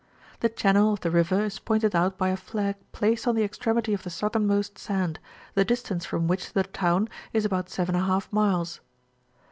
The channd of the river is pointed out by a nag placed on the extremity of the southernmost sand, the distance from which to the town is about 7^ miles.